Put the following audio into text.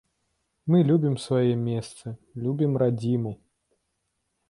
Мы любім сваё месца, любім радзіму.